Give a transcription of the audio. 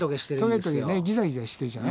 トゲトゲねギザギザしてるじゃない？